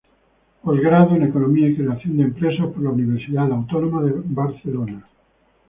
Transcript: Posgrado en Economía y Creación de empresas por la Universidad Autónoma de Barcelona.